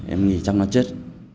em nghĩ chắc nó chết